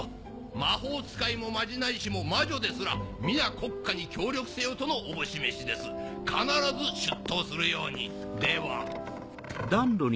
魔法使いもまじない師も魔女ですら皆国家に協力せよとのおぼしめしです必ず出頭するようにでは。